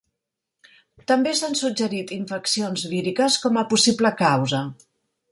També s'han suggerit infeccions víriques com a possible causa.